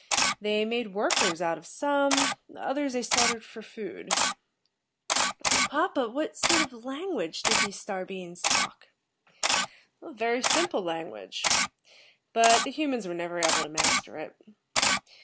They made workers out of some, others they slaughtered for food." "Papa, what sort of language did these Star beings talk?" "A very simple language, but the humans were never able to master it.